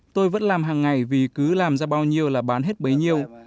tôi vẫn làm hàng ngày vì cứ làm ra bao nhiêu là bán hết bấy nhiêu